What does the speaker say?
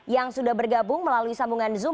yang sudah bergabung melalui sambungan zoom